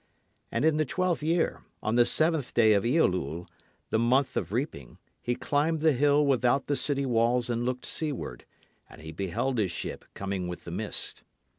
And in the twelfth year, on the seventh day of Ielool, the month of reaping, he climbed the hill without the city walls and looked seaward; and he beheld his ship coming with the mist.